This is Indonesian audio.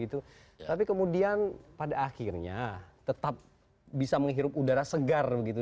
tapi kemudian pada akhirnya tetap bisa menghirup udara segar begitu